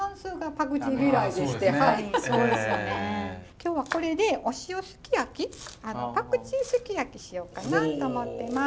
今日はこれでお塩すき焼きパクチーすき焼きしようかなと思ってます。